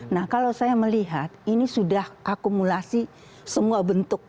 nah kalau saya melihat ini sudah akumulasi semua bentuk